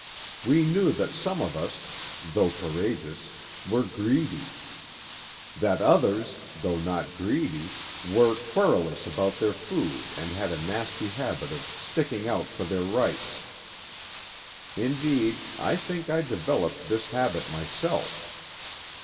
We knew that some of us, though courageous, were greedy; that others, though not greedy, were querulous about their food and had a nasty habit of 'sticking out for their rights': indeed, I think I developed this habit myself.